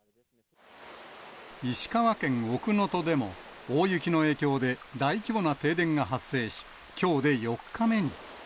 石川県奥能登でも、大雪の影響で大規模な停電が発生し、きょうで４日目に。